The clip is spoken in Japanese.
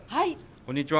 こんにちは。